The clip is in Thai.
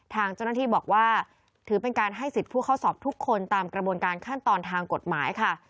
ทางเจ้าหน้าที่บอกว่าถือเป็นการให้สิทธิ์ผู้เข้าสอบทุกคนตามกระบวนการขั้นตอนทางกฎหมายค่ะ